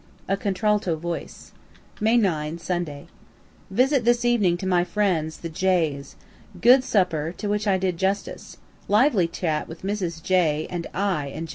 A CONTRALTO VOICE May 9, Sunday. Visit this evening to my friends the J.'s good supper, to which I did justice lively chat with Mrs. J. and I. and J.